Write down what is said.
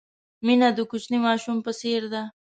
مینه د کوچني ماشوم په څېر ده.